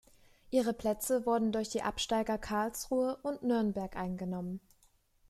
Ihre Plätze wurden durch die Absteiger Karlsruhe und Nürnberg eingenommen.